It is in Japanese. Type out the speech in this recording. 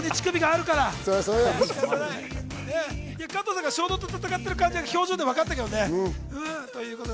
加藤さんが衝動と戦っている感じは表情でわかったけどね。